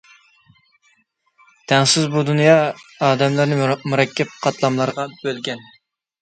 تەڭسىز بۇ دۇنيا ئادەملەرنى مۇرەككەپ قاتلاملارغا بۆلگەن.